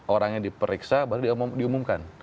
orang yang diperiksa baru diumumkan